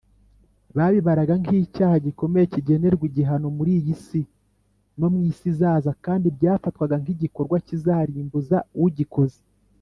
babibaraga nk’icyaha gikomeye, kigenerwa igihano muri iyi si no mu isi izaza; kandi byafatwaga nk’igikorwa kizarimbuza ugikoze